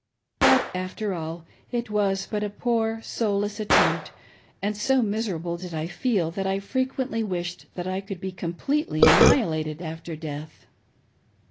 But, after all, it was but a poor soulless attempt, and so miser able did I feel that I frequently wished that I could be com pletely annihilated |fter death.